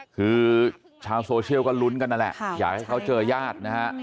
คือชาวโซเชียลก็ลุ้นกันนั่นแหละอยากให้เขาเจอญาตินะฮะ